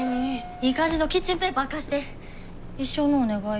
いい感じのキッチンペーパー貸して一生のお願い。